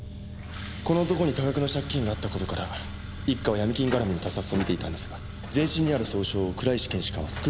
この男に多額の借金があった事から一課はヤミ金絡みの他殺と見ていたんですが全身にある創傷を倉石検視官はスクリュー痕だと見立てられて。